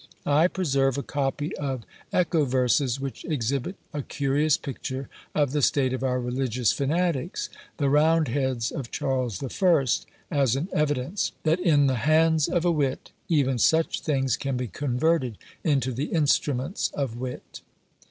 I preserve a copy of ECHO VERSES, which exhibit a curious picture of the state of our religious fanatics, the Roundheads of Charles I., as an evidence, that in the hands of a wit even such things can be converted into the instruments of wit.